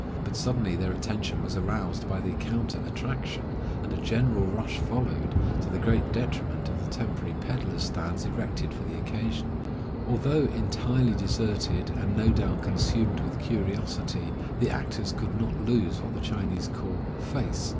But suddenly their attention was aroused by the counter attraction, and a general rush followed, to the great detriment of the temporary peddlers' stands erected for the occasion. Although entirely deserted, and no doubt consumed with curiosity, the actors could not lose what the Chinese call "face."